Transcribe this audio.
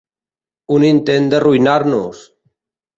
Un intent d'arruïnar-nos!